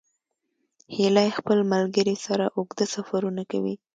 هیلۍ خپل ملګري سره اوږده سفرونه کوي